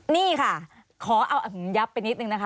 นี่ค่ะขอเอายับไปนิดนึงนะคะ